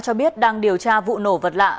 cho biết đang điều tra vụ nổ vật lạ